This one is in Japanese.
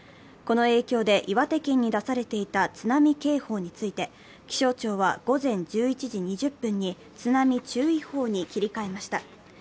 この影響で岩手県に出されていた津波警報について気象庁は、午前１１時２０分に津波注意報に切り替えました。